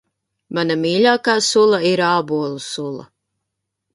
Mana mīļākā sula ir ābolu sula.